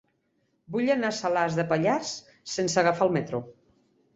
Vull anar a Salàs de Pallars sense agafar el metro.